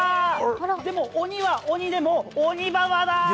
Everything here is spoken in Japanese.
でも、鬼は鬼でも鬼婆だー！